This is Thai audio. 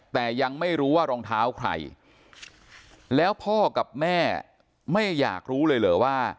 แต่ยังไม่รู้ว่ารองเท้าใครแล้วพ่อกับแม่ไม่อยากรู้เลยเหรอว่า